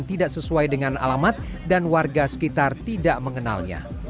tidak sesuai dengan alamat dan warga sekitar tidak mengenalnya